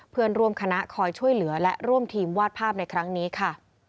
เพื่อนร่วมคณะคอยช่วยเหลือและร่วมทีมวาดภาพในครั้งนี้ค่ะ